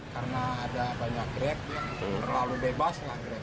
karena ada banyak grek yang terlalu bebas